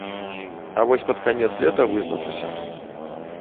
А вось пад канец лета вызначуся.